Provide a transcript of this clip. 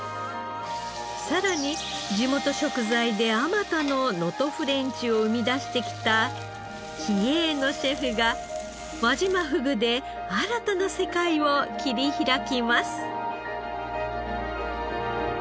さらに地元食材であまたの能登フレンチを生み出してきた気鋭のシェフが輪島ふぐで新たな世界を切り開きます。